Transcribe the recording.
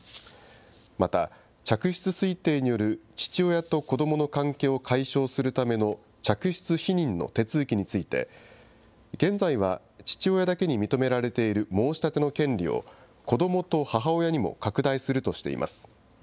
また、嫡出推定による父親と子どもの関係を解消するための嫡出否認の手続きについて、現在は父親だけに認められている申し立ての権利を、子どもと母親にも拡大するとしています。